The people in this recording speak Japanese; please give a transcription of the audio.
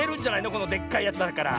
このでっかいやつだから。